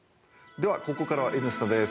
では、ここからは「Ｎスタ」です。